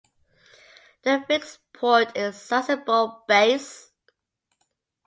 The fixed port is Sasebo base.